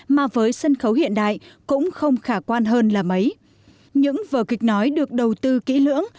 mà với sân khấu hiện đại cũng không khả quan hơn là mấy những vở kịch nói được đầu tư kỹ lưỡng